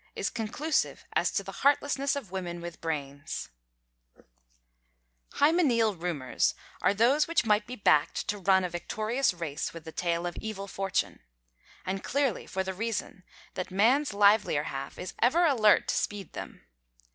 IS CONCLUSIVE AS TO THE HEARTLESSNESS OF WOMEN WITH BRAINS Hymenaeal rumours are those which might be backed to run a victorious race with the tale of evil fortune; and clearly for the reason that man's livelier half is ever alert to speed them.